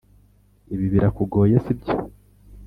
ibi birakugoye, sibyo?